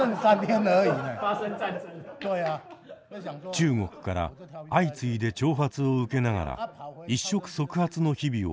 中国から相次いで挑発を受けながら一触即発の日々を送っていました。